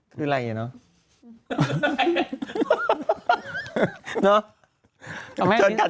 คืออะไรเนอะ